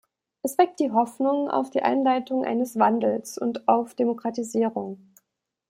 Es weckt die Hoffnung auf die Einleitung eines Wandels und auf Demokratisierung.